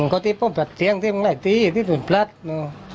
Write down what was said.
กับเตี๊ยงที่มันไหล่ตีที่สุดพลักษณ์